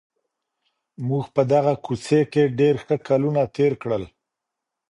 موږ په دغه کوڅې کي ډېر ښه کلونه تېر کړل.